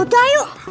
lari aja ayo cepetan